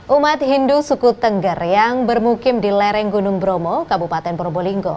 umat hindu suku tengger yang bermukim di lereng gunung bromo kabupaten probolinggo